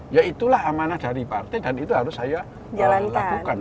ya itulah amanah dari partai dan itu harus saya lakukan